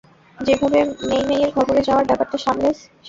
যেভাবে মেই-মেইয়ের খবরে যাওয়ার ব্যাপারটা সামলেছ?